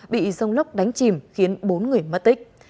bị rông lốc đánh chìm khiến bốn người mất tích